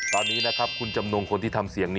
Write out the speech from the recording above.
ตอนนี้นะครับคุณจำนงคนที่ทำเสียง